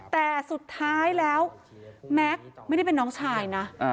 แต่สุดท้ายแล้วแม็กซ์ไม่ได้เป็นน้องชายนะ